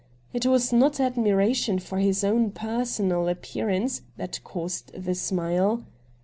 It was not admiration for his own personal appearance that caused the smile.